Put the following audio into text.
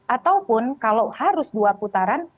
ataupun kalau harus dua putaran